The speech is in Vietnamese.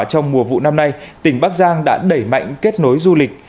trong mùa vụ năm nay tỉnh bắc giang đã đẩy mạnh kết nối du lịch